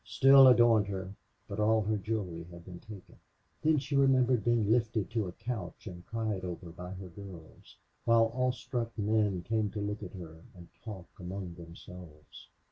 still adorned her, but all her jewelry had been taken. Then she remembered being lifted to a couch and cried over by her girls, while awestruck men came to look at her and talk among themselves.